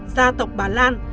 gia tộc bà lan